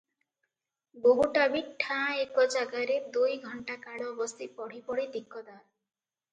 ବୋହୂଟା ବି ଠାଁ ଏକ ଜାଗାରେ ଦୁଇ ଘଣ୍ଟାକାଳ ବସି ପଢ଼ି ପଢ଼ି ଦିକଦାର ।